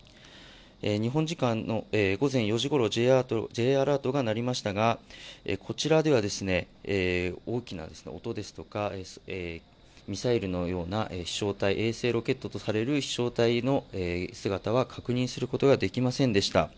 日本時間の午前４時ごろ、Ｊアラートが鳴りましたが、こちらでは大きな音ですとか、ミサイルのような飛しょう体、衛星ロケットとされる飛しょう体の姿は確認されませんでした。